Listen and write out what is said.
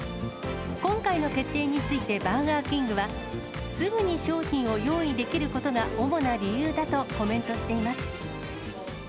今回の決定について、バーガーキングは、すぐに商品を用意できることが主な理由だとコメントしています。